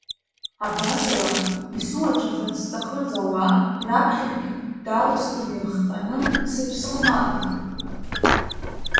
Абасала, исуацәахарц зҭахыз ауаа раԥхьатәи даласҵом ирыхҟьаны, сыԥсылманхеит.